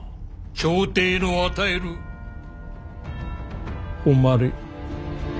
朝廷の与える誉れ。